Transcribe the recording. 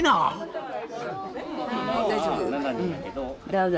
どうぞ。